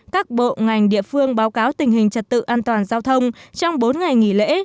các bộ ngành địa phương báo cáo tình hình trật tự an toàn giao thông trong bốn ngày nghỉ lễ